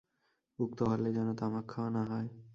উক্ত হলে যেন তামাক খাওয়া না হয়।